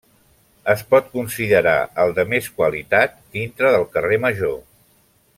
Es pot considerar el de més qualitat dintre del carrer Major.